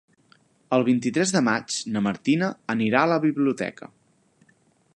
El vint-i-tres de maig na Martina anirà a la biblioteca.